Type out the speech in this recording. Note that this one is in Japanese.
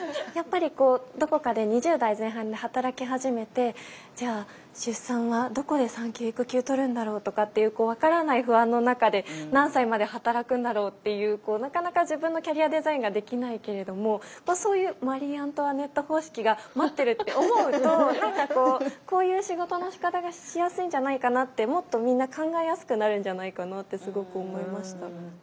やっぱりこうどこかで２０代前半で働き始めてじゃあ出産はどこで産休育休取るんだろうとかっていう分からない不安の中で何歳まで働くんだろうっていうなかなか自分のキャリアデザインができないけれどもそういうマリーアントワネット方式が待ってるって思うと何かこうこういう仕事のしかたがしやすいんじゃないかなってもっとみんな考えやすくなるんじゃないかなってすごく思いました。